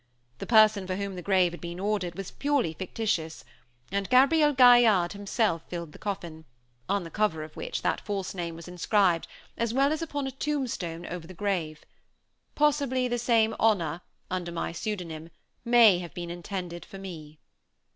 The person for whom the grave had been ordered, was purely fictitious; and Gabriel Gaillarde himself filled the coffin, on the cover of which that false name was inscribed as well as upon a tomb stone over the grave. Possibly the same honor, under my pseudonym, may have been intended for me.